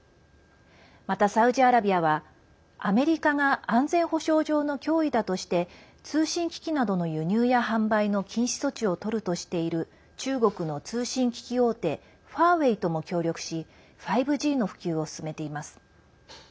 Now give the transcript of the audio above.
また、サウジアラビアはアメリカが安全保障上の脅威だとして通信機器などの輸入や販売の禁止措置をとるとしている中国の通信機器大手ファーウェイとも協力し５Ｇの普及を進めています。